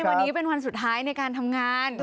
วันนี้เป็นวันสุดท้ายในการทำงาน